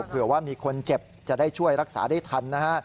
เผื่อว่ามีคนเจ็บจะได้ช่วยรักษาได้ทันนะฮะ